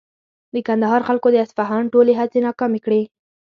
د کندهار خلکو د اصفهان ټولې هڅې ناکامې کړې.